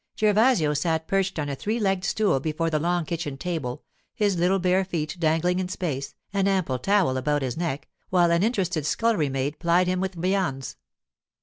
Gervasio sat perched on a three legged stool before the long kitchen table, his little bare feet dangling in space, an ample towel about his neck, while an interested scullery maid plied him with viands.